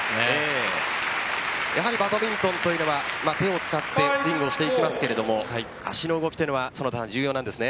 バドミントンというのは手を使ってスイングをしていきますが足の動きというのは重要なんですね。